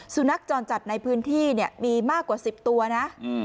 สุนัขจรจัดในพื้นที่เนี่ยมีมากกว่า๑๐ตัวนะ